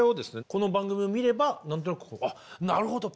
この番組を見れば何となくあっなるほどＰｅｒｆｕｍｅ